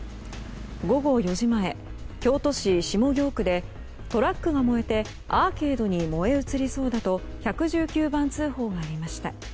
午後４時前、京都市下京区でトラックが燃えてアーケードに燃え移りそうだと１１９番通報がありました。